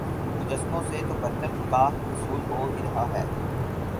مجسموں سے تو برکت کا حصول ہو ہی رہا ہے